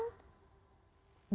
dari lolosnya bupati terpilih saburejwa